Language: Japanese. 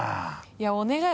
いやお願い。